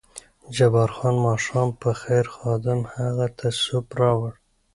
جبار خان: ماښام په خیر، خادم هغه ته سوپ راوړ.